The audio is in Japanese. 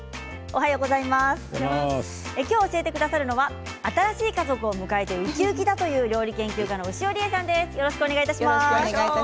今日教えてくださるのは新しい家族を迎えてうきうきだという料理研究家の牛尾理恵さんです。